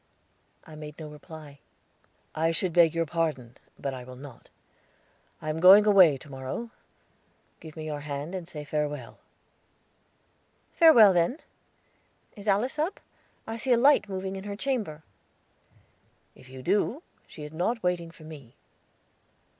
I made no reply. "I should beg your pardon, but I will not. I am going away to morrow. Give me your hand, and say farewell." "Farewell then. Is Alice up? I see a light moving in her chamber." "If you do, she is not waiting for me."